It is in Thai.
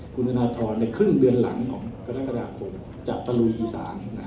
คุณธนทรในครึ่งเดือนหลังของกรกฎาคมจะตะลุยอีสาน